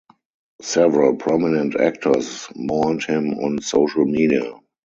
Several prominent actors mourned him on social media.